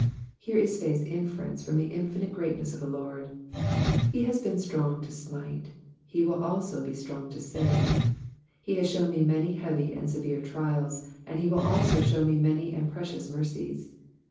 '''* Here is faith's inferenoe from the infinite greatness of the Lord. He has been strong to smite ; he will be also strong to save. He has shown me many heavy and severe trials, and he will also show me many and precious mercies.